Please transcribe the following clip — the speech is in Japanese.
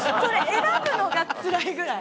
選ぶのがつらいぐらい。